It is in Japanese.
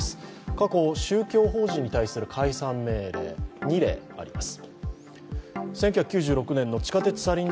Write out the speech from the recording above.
過去、宗教法人に対する解散命令、２例あります。